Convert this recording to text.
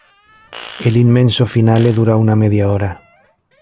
El inmenso Finale dura una media hora.